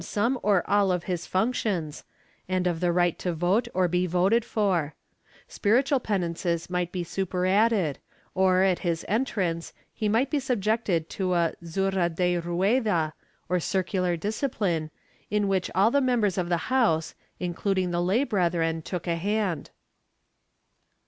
Chap III] CLERICAL OFFENDERS 181 all of his functions and of the right to vote or to be voted for; sph itual penances might be superadded or, at his entrance, he might be subjected to a zurra de rueda, or circular discipline, in which all the members of the house, including the lay brethren, took a hand.